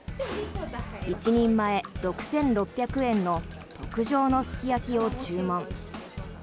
１人前６６００円の特上のすき焼きを注文。